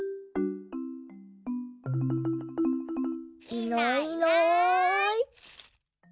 いないいない。